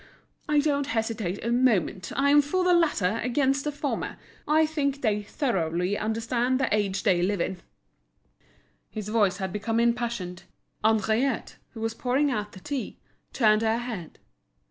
I don't hesitate a moment, I'm for the latter against the former, I think they thoroughly understand the age they live in!" His voice had become impassioned. Henriette, who was pouring out the tea, turned her head.